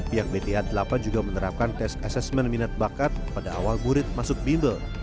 pihak bta delapan juga menerapkan tes asesmen minat bakat pada awal murid masuk bimbel